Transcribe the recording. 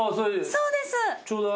そうです。